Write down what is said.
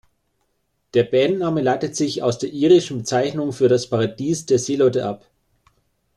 Der Bandname leitet sich aus der irischen Bezeichnung für das Paradies der Seeleute ab.